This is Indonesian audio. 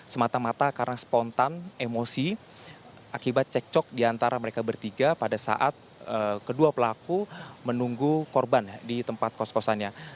semata mata karena spontan emosi akibat cekcok diantara mereka bertiga pada saat kedua pelaku menunggu korban di tempat kos kosannya